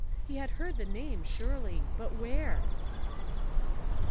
He had heard the name, surely. But where?